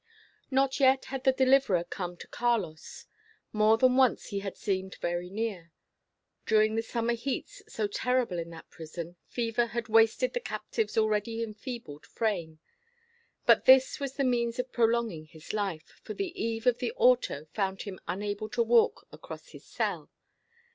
Not yet had the Deliverer come to Carlos. More than once he had seemed very near. During the summer heats, so terrible in that prison, fever had wasted the captive's already enfeebled frame; but this was the means of prolonging his life, for the eve of the Auto found him unable to walk across his cell.